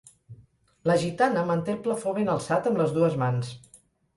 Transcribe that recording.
La gitana manté el plafó ben alçat amb les dues mans.